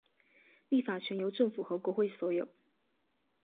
立法权由政府和国会所有。